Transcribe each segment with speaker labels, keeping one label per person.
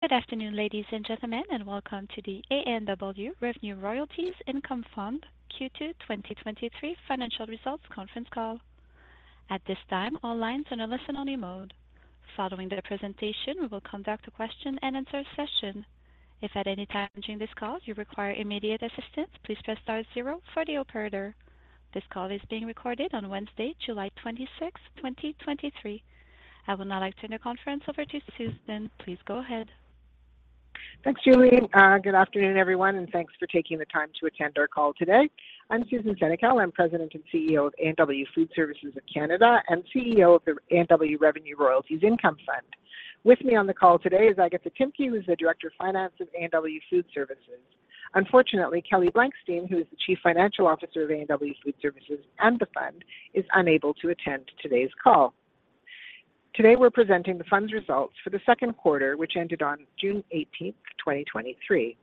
Speaker 1: Good afternoon, ladies and gentlemen, and welcome to the A&W Revenue Royalties Income Fund Q2 2023 financial results conference call. At this time, all lines are in a listen-only mode. Following the presentation, we will conduct a question-and-answer session. If at any time during this call you require immediate assistance, please press star zero for the operator. This call is being recorded on Wednesday, July 26th, 2023. I would now like to turn the conference over to Susan. Please go ahead.
Speaker 2: Thanks, Julie. Good afternoon, everyone, and thanks for taking the time to attend our call today. I'm Susan Senecal. I'm President and CEO of A&W Food Services of Canada and CEO of the A&W Revenue Royalties Income Fund. With me on the call today is Agatha Tymke, who is the Director of Finance of A&W Food Services. Unfortunately, Kelly Blankstein, who is the Chief Financial Officer of A&W Food Services and the fund, is unable to attend today's call. Today, we're presenting the fund's results for the second quarter, which ended on June 18, 2023.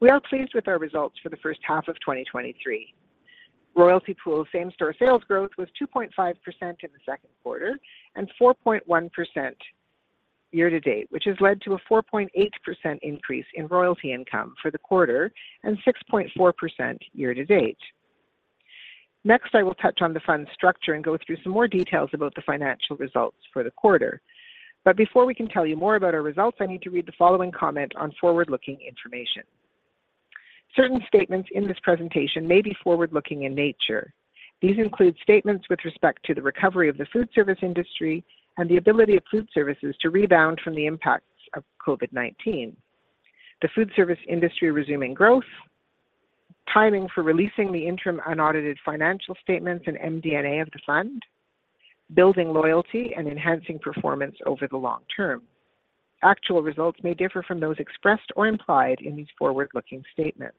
Speaker 2: We are pleased with our results for the first half of 2023. Royalty Pool same-store sales growth was 2.5% in the second quarter and 4.1% year to date, which has led to a 4.8% increase in royalty income for the quarter and 6.4% year to date. Next, I will touch on the fund's structure and go through some more details about the financial results for the quarter. Before we can tell you more about our results, I need to read the following comment on forward-looking information. Certain statements in this presentation may be forward-looking in nature. These include statements with respect to the recovery of the food service industry and the ability of food services to rebound from the impacts of COVID-19, the food service industry resuming growth, timing for releasing the interim unaudited financial statements and MD&A of the Fund, building loyalty and enhancing performance over the long term. Actual results may differ from those expressed or implied in these forward-looking statements.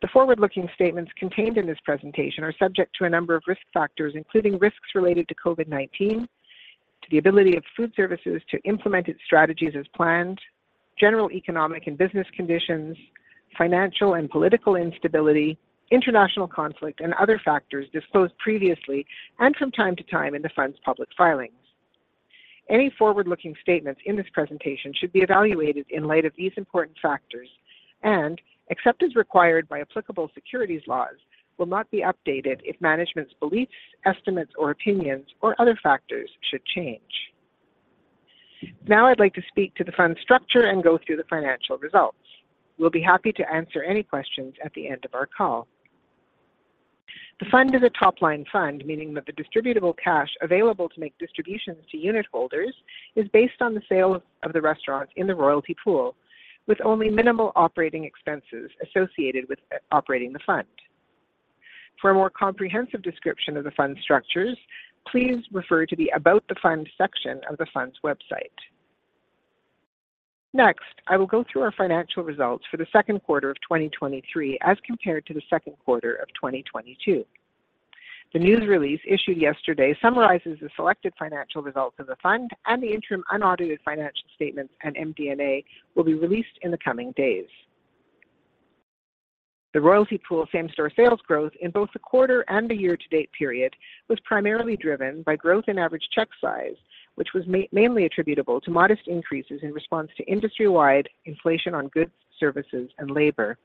Speaker 2: The forward-looking statements contained in this presentation are subject to a number of risk factors, including risks related to COVID-19, to the ability of food services to implement its strategies as planned, general economic and business conditions, financial and political instability, international conflict and other factors disclosed previously and from time to time in the Fund's public filings. Any forward-looking statements in this presentation should be evaluated in light of these important factors and, except as required by applicable securities laws, will not be updated if management's beliefs, estimates, or opinions or other factors should change. I'd like to speak to the Fund's structure and go through the financial results. We'll be happy to answer any questions at the end of our call. The Fund is a top-line fund, meaning that the distributable cash available to make distributions to unitholders is based on the sale of the restaurants in the Royalty Pool, with only minimal operating expenses associated with operating the Fund. For a more comprehensive description of the Fund's structures, please refer to the About the Fund section of the Fund's website. Next, I will go through our financial results for the second quarter of 2023 as compared to the second quarter of 2022. The news release, issued yesterday, summarizes the selected financial results of the Fund, and the interim unaudited financial statements and MD&A will be released in the coming days. The Royalty Pool same-store sales growth in both the quarter and the year-to-date period was primarily driven by growth in average check size, which was mainly attributable to modest increases in response to industry-wide inflation on goods, services, and labor.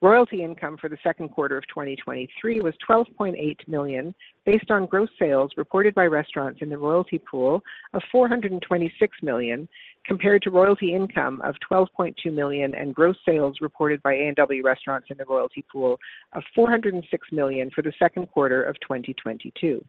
Speaker 2: Royalty income for the second quarter of 2023 was 12.8 million, based on gross sales reported by restaurants in the Royalty Pool of 426 million, compared to royalty income of 12.2 million and gross sales reported by A&W restaurants in the Royalty Pool of 406 million for the second quarter of 2022.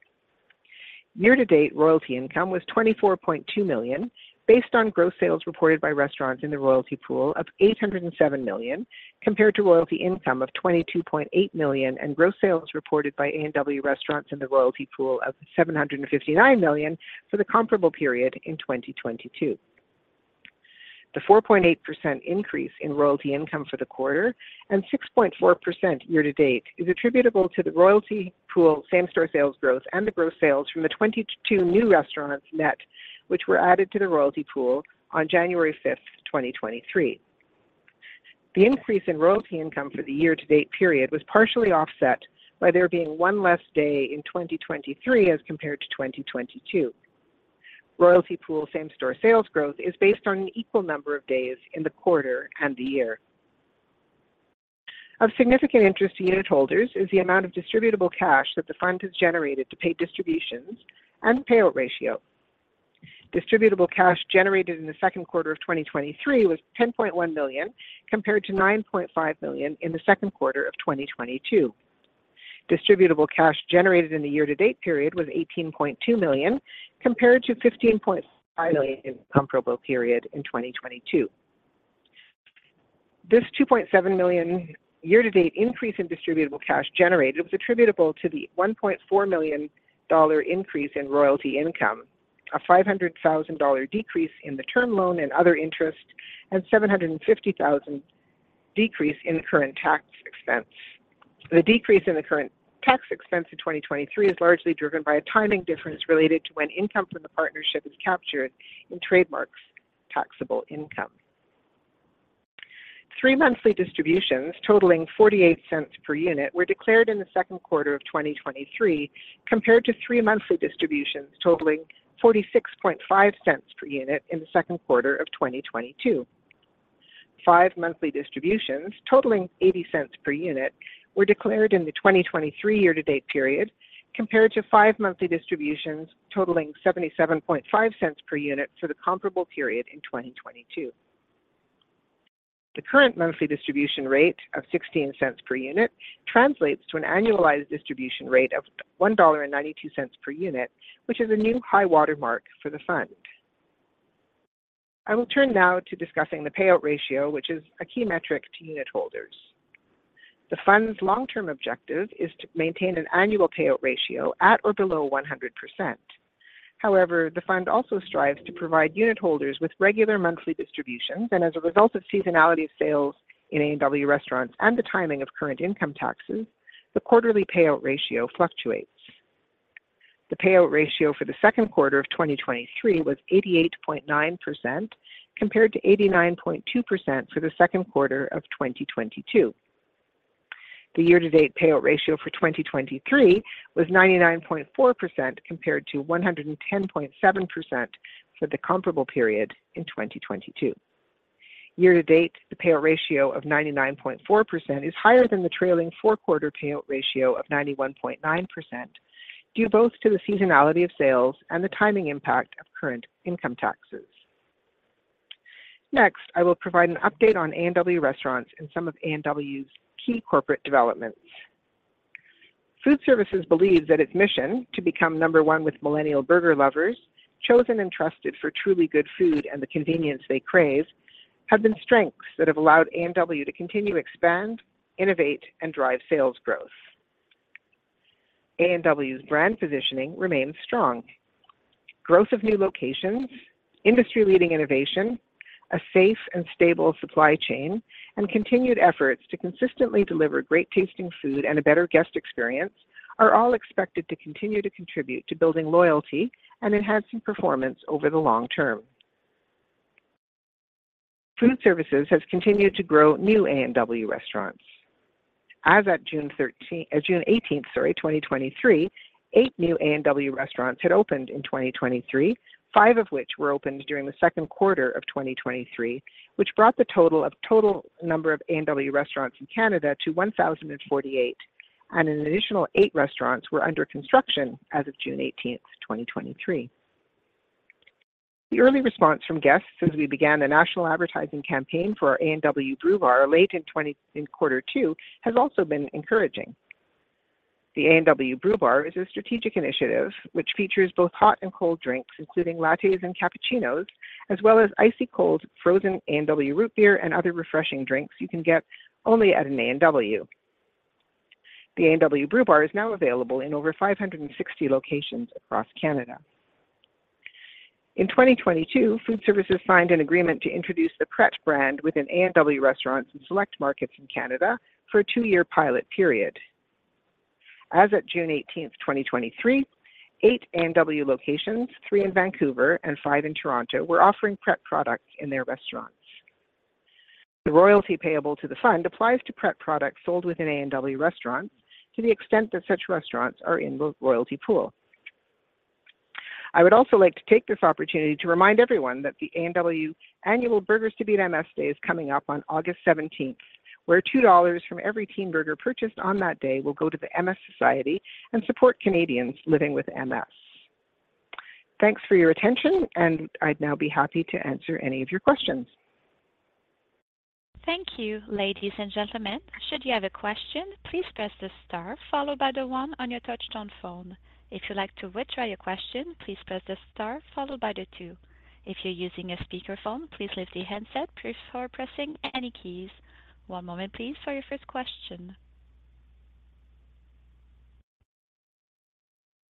Speaker 2: Year to date, royalty income was 24.2 million, based on gross sales reported by restaurants in the Royalty Pool of 807 million, compared to royalty income of 22.8 million and gross sales reported by A&W restaurants in the Royalty Pool of 759 million for the comparable period in 2022. The 4.8% increase in royalty income for the quarter and 6.4% year-to-date is attributable to the Royalty Pool same-store sales growth and the gross sales from the 22 new restaurants net, which were added to the Royalty Pool on January 5, 2023. The increase in royalty income for the year-to-date period was partially offset by there being one less day in 2023 as compared to 2022. Royalty Pool same-store sales growth is based on an equal number of days in the quarter and the year. Of significant interest to unitholders is the amount of distributable cash that the fund has generated to pay distributions and payout ratio. Distributable cash generated in the second quarter of 2023 was 10.1 million, compared to 9.5 million in the second quarter of 2022. Distributable cash generated in the year-to-date period was 18.2 million, compared to 15.5 million comparable period in 2022. This 2.7 million year-to-date increase in distributable cash generated was attributable to the 1.4 million dollar increase in royalty income, a 500,000 dollar decrease in the term loan and other interest, and 750,000 decrease in current tax expense. The decrease in the current tax expense in 2023 is largely driven by a timing difference related to when income from the partnership is captured in trademarks taxable income. Three monthly distributions totaling 0.48 per unit were declared in the second quarter of 2023, compared to three monthly distributions totaling 0.465 per unit in the second quarter of 2022. 5 monthly distributions totaling 0.80 per unit were declared in the 2023 year-to-date period, compared to 5 monthly distributions totaling 0.775 per unit for the comparable period in 2022. The current monthly distribution rate of 0.16 per unit translates to an annualized distribution rate of 1.92 dollar per unit, which is a new high watermark for the fund. I will turn now to discussing the payout ratio, which is a key metric to unitholders. The fund's long-term objective is to maintain an annual payout ratio at or below 100%. However, the fund also strives to provide unitholders with regular monthly distributions, and as a result of seasonality sales in A&W Restaurants and the timing of current income taxes, the quarterly payout ratio fluctuates. The payout ratio for the second quarter of 2023 was 88.9%, compared to 89.2% for the second quarter of 2022. The year-to-date payout ratio for 2023 was 99.4%, compared to 110.7% for the comparable period in 2022. Year-to-date, the payout ratio of 99.4% is higher than the trailing four-quarter payout ratio of 91.9%, due both to the seasonality of sales and the timing impact of current income taxes. Next, I will provide an update on A&W Restaurants and some of A&W's key corporate developments. Food Services believes that its mission to become number one with millennial burger lovers, chosen and trusted for truly good food and the convenience they crave, have been strengths that have allowed A&W to continue to expand, innovate, and drive sales growth. A&W's brand positioning remains strong. Growth of new locations, industry-leading innovation, a safe and stable supply chain, and continued efforts to consistently deliver great-tasting food and a better guest experience are all expected to continue to contribute to building loyalty and enhancing performance over the long term. Food Services has continued to grow new A&W restaurants. As at June 18th, sorry, 2023, 8 new A&W restaurants had opened in 2023, 5 of which were opened during the second quarter of 2023, which brought the total number of A&W restaurants in Canada to 1,048, and an additional 8 restaurants were under construction as of June 18th, 2023. The early response from guests since we began a national advertising campaign for our A&W Brew Bar late in quarter two, has also been encouraging. The A&W Brew Bar is a strategic initiative which features both hot and cold drinks, including lattes and cappuccinos, as well as icy cold, frozen A&W Root Beer and other refreshing drinks you can get only at an A&W. The A&W Brew Bar is now available in over 560 locations across Canada. In 2022, Food Services signed an agreement to introduce the Pret brand within A&W restaurants in select markets in Canada for a 2-year pilot period. As at June 18th, 2023, 8 A&W locations, 3 in Vancouver and 5 in Toronto, were offering Pret products in their restaurants. The royalty payable to the fund applies to Pret products sold within A&W restaurants to the extent that such restaurants are in the Royalty Pool. I would also like to take this opportunity to remind everyone that the A&W Annual Burgers to Beat MS Day is coming up on August 17th, where 2 dollars from every Teen Burger purchased on that day will go to the MS Canada and support Canadians living with MS. Thanks for your attention, I'd now be happy to answer any of your questions.
Speaker 1: Thank you, ladies and gentlemen. Should you have a question, please press the star followed by the one on your touchtone phone. If you'd like to withdraw your question, please press the star followed by the two. If you're using a speakerphone, please lift the handset before pressing any keys. One moment, please, for your first question.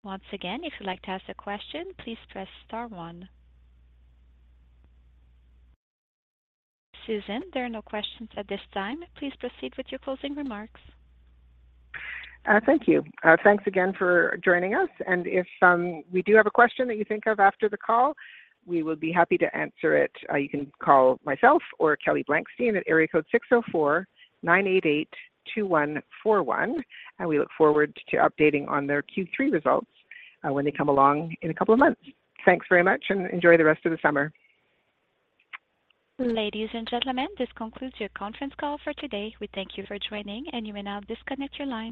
Speaker 1: Once again, if you'd like to ask a question, please press star one. Susan, there are no questions at this time. Please proceed with your closing remarks.
Speaker 2: Thank you. Thanks again for joining us, if we do have a question that you think of after the call, we will be happy to answer it. You can call myself or Kelly Blankstein at area code 604-988-2141. We look forward to updating on their Q3 results when they come along in a couple of months. Thanks very much. Enjoy the rest of the summer.
Speaker 1: Ladies and gentlemen, this concludes your conference call for today. We thank you for joining, and you may now disconnect your line.